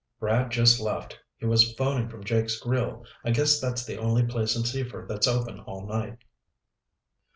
"Brad just left. He was phoning from Jake's Grill. I guess that's the only place in Seaford that's open all night."